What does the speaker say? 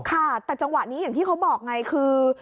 ค่ะแต่จังหวะนี้อย่างที่เขาบอกไงคือ